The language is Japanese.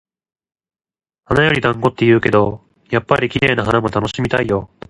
「花より団子」って言うけど、やっぱり綺麗な花も楽しみたいよ。